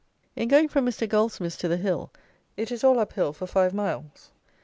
In going from Mr. Goldsmith's to the hill, it is all up hill for five miles.